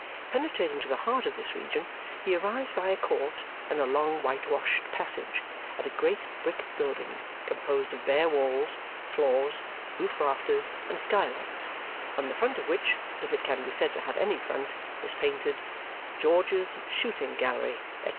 Penetrating to the heart of this region, he arrives by a court and a long whitewashed passage at a great brick building composed of bare walls, floors, roof rafters, and skylights, on the front of which, if it can be said to have any front, is painted GEORGE'S SHOOTING GALLERY, &c.